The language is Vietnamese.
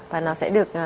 và nó sẽ được